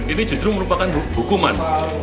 ini justru merupakan hukuman